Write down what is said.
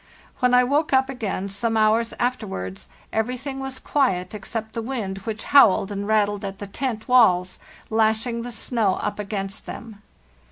When I woke up again, some hours afterwards, everything was quiet except the wind, which howled and rattled at the tent walls, lashing the snow up against them.